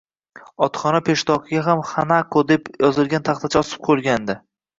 Otxona peshtoqiga ham Xanako deb yozilgan taxtacha osib qo`yilgandi